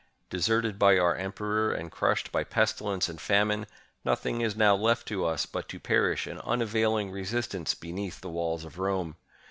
Deserted by our em peror and crushed by pestilence and famine, nothing is now left to us but to perish in unavailing resistance be neath the walls of Rome